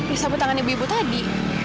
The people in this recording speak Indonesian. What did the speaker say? ini sapu tangan ibu ibu tadi